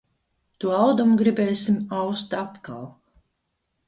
To audumu gribēsim aust atkal.